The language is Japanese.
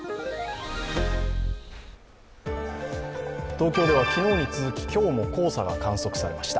東京では昨日に続き、今日も黄砂が観測されました。